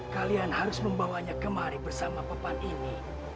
kalian harus membawanya kemari bersama papan ini